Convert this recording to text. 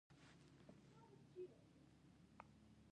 افغانستان له خاوره ډک دی.